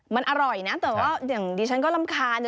มันอร่อยนะแต่ว่าอย่างดิฉันก็รำคาญ